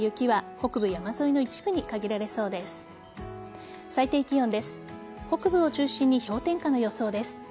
北部を中心に氷点下の予想です。